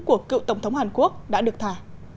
của cựu tổng thống hàn quốc đã được thả